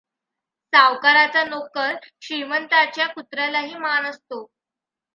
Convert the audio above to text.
सावकाराचा नोकर! श्रीमंताच्या कुत्र्यालाही मान असतो.